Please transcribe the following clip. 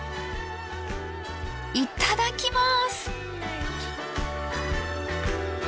いただきます！